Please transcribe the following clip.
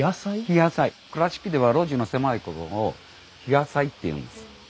倉敷では路地の狭いことを「ひやさい」っていうんです。